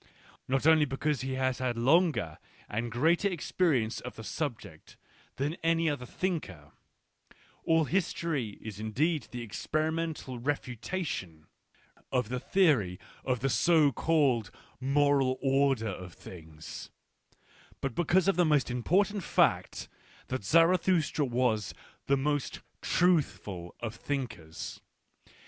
Not only because he has had longer and greater experience of the subject than any other thinker, — all history is indeed the experimental re Digitized by Google 134 ECCE HOMO futation of the theory of the so called moral order of things, — but because of the more important fact that Zarathustra was the most truthful of thinkers.